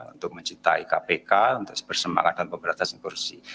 untuk menciptai kpk untuk bersemangat dan pemerintah segera